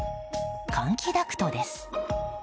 換気ダクトです。